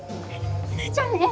じゃあね！